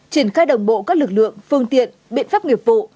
triển khai đồng bộ các lực lượng phương tiện biện pháp nghiệp vụ